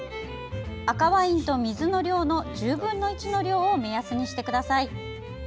赤ワインと水の量の１０分の１の量を目安にしてください。